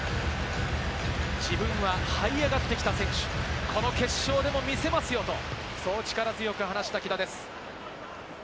自分は這い上がってきた選手、この決勝でも見せますよと、そう力強く話した木田です。